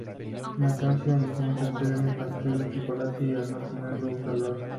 Natacha intenta hacer un pastel de chocolate, y al no tenerlo, usa lodo.